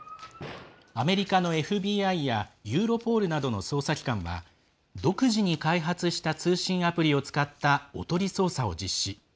アメリカのＦＢＩやユーロポールなどの捜査機関は独自に開発した通信アプリを使ったおとり捜査を実施。